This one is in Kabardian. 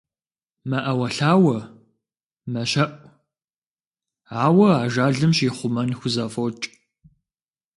МэӀэуэлъауэ, мэщэӀу, ауэ ажалым щихъумэн хузэфӀокӀ.